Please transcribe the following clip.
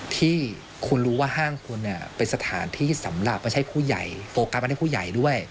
ที่คุณรู้ว่าห้างคุณเป็นสถานที่สำหรับไม่ใช่ผู้ใหญ่โฟกัสมาให้ผู้ใหญ่ด้วย